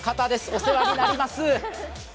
お世話になります。